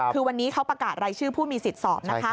คือวันนี้เขาประกาศรายชื่อผู้มีสิทธิ์สอบนะคะ